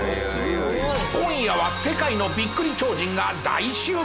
今夜は世界のびっくり超人が大集合！